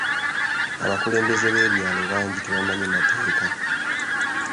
Abakulembeze b'ebyalo bangi tebamanyi mateeka.